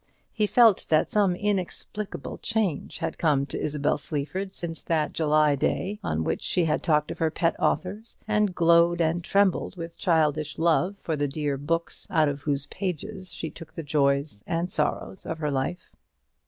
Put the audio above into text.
He felt that some inexplicable change had come to Isabel Sleaford since that July day on which she had talked of her pet authors, and glowed and trembled with childish love for the dear books out of whose pages she took the joys and sorrows of her life.